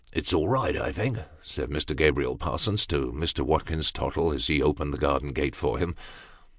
" It's all right, I think," said Mr. Gabriel Parsons to Mr. Watkins Tottle as lie opened the garden gate for him."